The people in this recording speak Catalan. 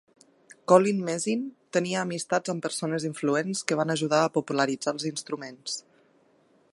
Collin-Mezin tenia amistats amb persones influents que van ajudar a popularitzar els instruments.